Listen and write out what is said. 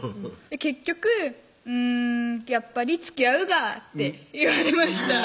結局「うんやっぱりつきあうが」って言われました